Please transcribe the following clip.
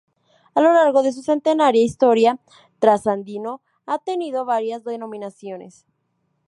A lo largo de su centenaria historia, Trasandino ha tenido varias denominaciones.